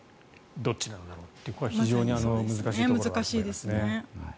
どっちなんだろうってこれは非常に難しいところですね。